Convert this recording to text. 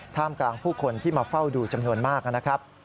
ท่ามกลางผู้คนที่มาเฝ้าดูจำนวนมาก